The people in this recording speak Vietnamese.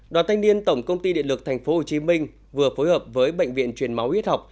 đoàn thanh niên tổng công ty điện lực tp hcm vừa phối hợp với bệnh viện truyền máu huyết học